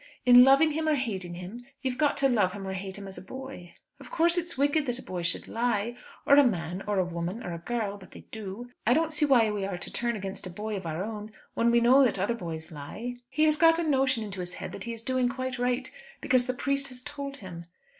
In loving him or hating him you've got to love him or hate him as a boy. Of course it's wicked that a boy should lie, or a man, or a woman, or a girl; but they do. I don't see why we are to turn against a boy of our own, when we know that other boys lie. He has got a notion into his head that he is doing quite right, because the priest has told him."